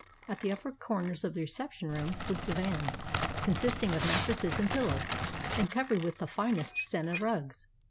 At the upper corners of the reception room were divans, consisting of mattresses and pillows, and covered with the finest Senna rugs.